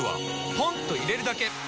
ポンと入れるだけ！